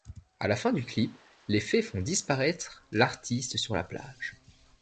À la fin du clip, les fées font disparaître l'artiste sur la plage.